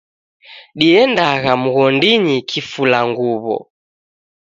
Diendagha mghondinyi kifulanguwo